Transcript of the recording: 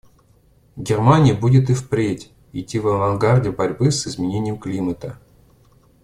Германия будет и впредь идти в авангарде борьбы с изменением климата.